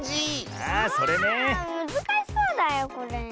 あむずかしそうだよこれ。